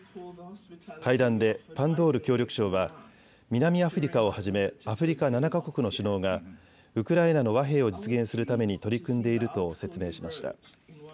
会談でパンドール協力相は南アフリカをはじめアフリカ７か国の首脳がウクライナの和平を実現するために取り組んでいると説明しました。